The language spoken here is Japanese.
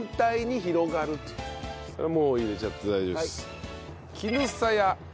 もう入れちゃって大丈夫です。